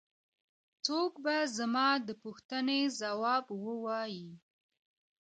څوک به زما د پوښتنې ځواب ووايي.